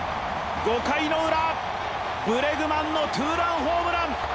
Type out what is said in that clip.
５回のウラ、ブレグマンのツーランホームラン！